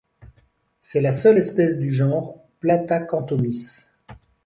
C'est la seule espèce du genre Platacanthomys.